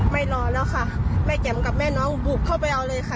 ไม่นอนแล้วค่ะแม่แจ๋มกับแม่น้องบุกเข้าไปเอาเลยค่ะ